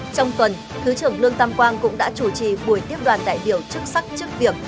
trong tuần thứ trưởng lương tam quang cũng đã chủ trì buổi tiếp đoàn đại biểu chức sắc chức việc